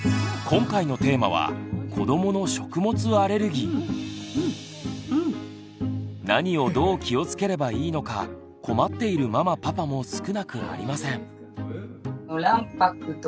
今回のテーマは何をどう気をつければいいのか困っているママパパも少なくありません。